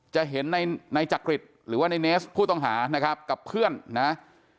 จะเห็นในจักริตหรือว่าในเนสผู้ต้องหานะครับกับเพื่อนนะ